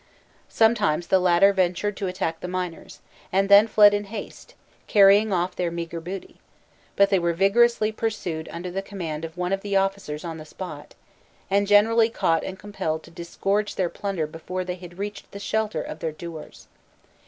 Sometimes the latter ventured to attack the miners, and then fled in haste, carrying off their meagre booty; but they were vigorously pursued under the command of one of the officers on the spot, and generally caught and compelled to disgorge their plunder before they had reached the shelter of their "douars."